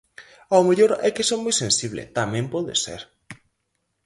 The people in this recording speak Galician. Ao mellor é que son moi sensible, tamén pode ser.